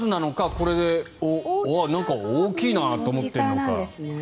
これで、なんか大きいなと思っているのか。